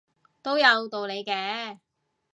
都有道理嘅